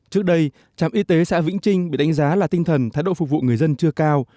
trước đây trạm y tế xã vĩnh trinh bị đánh giá là tinh thần thái độ phục vụ người dân chưa cao